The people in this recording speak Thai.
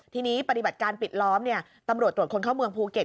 ทีนี้ปฏิบัติการปิดล้อมตำรวจตรวจคนเข้าเมืองภูเก็ต